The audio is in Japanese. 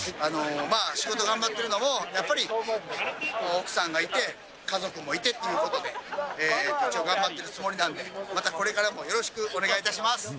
仕事頑張ってるのもやっぱり、奥さんがいて、家族もいてということで、一応頑張ってるつもりなんで、またこれからもよろしくお願いいたします。